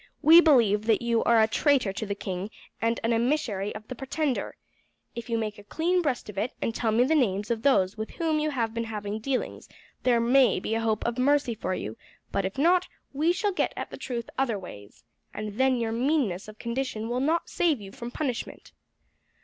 We believe that you are a traitor to the king and an emissary of the Pretender. If you make a clean breast of it, and tell me the names of those with whom you have been having dealings, there may be a hope of mercy for you; but if not, we shall get at the truth other ways, and then your meanness of condition will not save you from punishment."